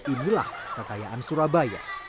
inilah kekayaan surabaya